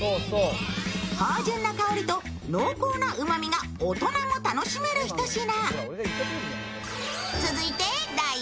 芳じゅんな香りと濃厚なうまみが大人も楽しめるひと品。